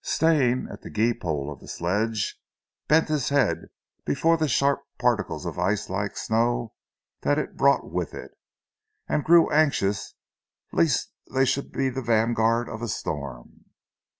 Stane at the gee pole of the sledge, bent his head before the sharp particles of ice like snow that it brought with it, and grew anxious lest they should be the vanguard of a storm.